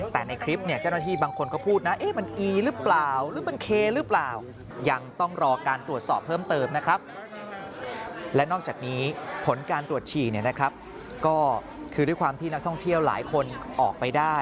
แต่ในคลิปแจ้งหน้าที่บางคนก็พูดนะ